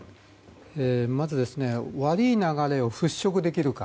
まず、悪い流れを払拭できるか。